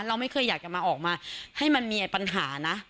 เราไม่เคยอยากจะมาออกมาให้มันมีปัญหานะ